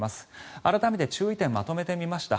改めて注意点をまとめてみました。